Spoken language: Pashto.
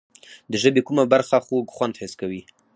د ژبې کومه برخه خوږ خوند حس کوي؟